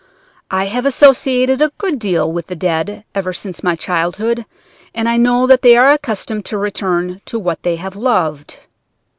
I have associated a good deal with the dead ever since my childhood, and I know that they are accustomed to return to what they have loved.